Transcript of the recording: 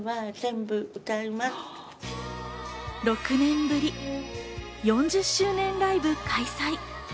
６年ぶり、４０周年ライブ開催。